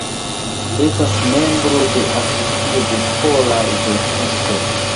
Estas membro de Asocio de Polaj Verkistoj.